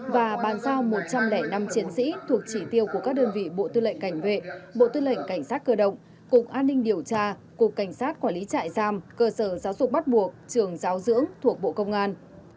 và bàn giao một trăm linh năm chiến sĩ thuộc chỉ tiêu của các đơn vị bộ tư lệnh cảnh vệ bộ tư lệnh cảnh sát cơ động cục an ninh điều tra cục cảnh sát quản lý trại giam cơ sở giáo dục bắt buộc trường giáo dưỡng thuộc bộ công an